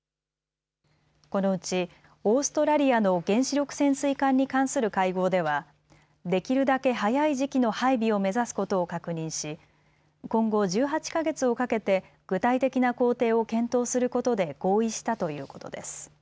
このうちオーストラリアの原子力潜水艦に関する会合ではできるだけ早い時期の配備を目指すことを確認し今後１８か月をかけて具体的な行程を検討することで合意したということです。